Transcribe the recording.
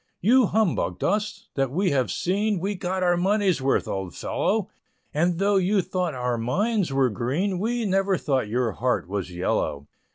You humbugged us that we have seen, We got our money's worth, old fellow, And though you thought our minds were green, We never thought your heart was yellow.